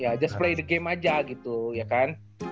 ya just play the game aja gitu ya kan